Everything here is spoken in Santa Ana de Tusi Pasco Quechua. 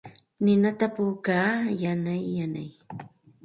Ninata puukaa yanay yanay.